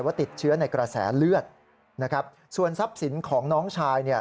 ว่าติดเชื้อในกระแสเลือดส่วนทรัพย์สินของน้องชาย